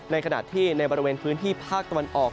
ในขณะที่ในบริเวณพื้นที่ภาคตะวันออก